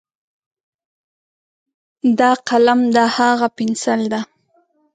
دا قلم ده، هاغه پینسل ده.